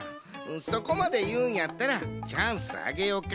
そこまでいうんやったらチャンスあげよか？